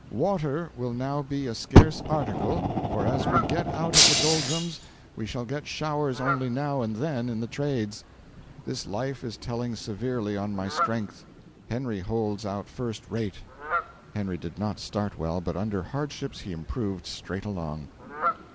'Water will now be a scarce article, for as we get out of the doldrums we shall get showers only now and then in the trades. This life is telling severely on my strength. Henry holds out first rate.' Henry did not start well, but under hardships he improved straight along.